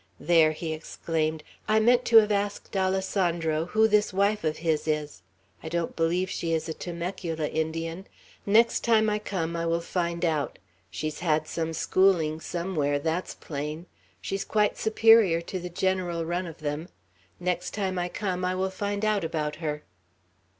There," he exclaimed, "I meant to have asked Alessandro who this wife of his is! I don't believe she is a Temecula Indian. Next time I come, I will find out. She's had some schooling somewhere, that's plain. She's quite superior to the general run of them. Next time I come, I will find out about her."